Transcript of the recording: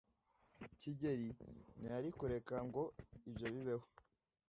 kigeli ntiyari kureka ngo ibyo bibeho.